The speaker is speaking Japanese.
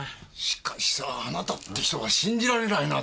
しかしさあなたって人が信じられないね